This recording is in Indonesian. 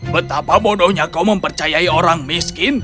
betapa bodohnya kau mempercayai orang miskin